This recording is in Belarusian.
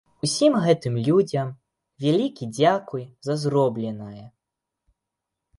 Усім гэтым людзям вялікі дзякуй за зробленае.